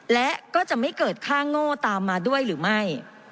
และก็จะไม่เกิดค่าโง่ตามมาด้วยหรือไม่